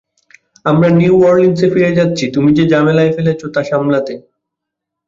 আমরা নিউ অরলিন্সে ফিরে যাচ্ছি, তুমি যে ঝামেলায় ফেলেছ, তা সামলাতে।